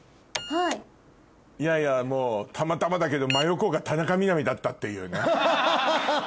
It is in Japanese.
いやいやもうたまたまだけど真横が田中みな実だったっていうね。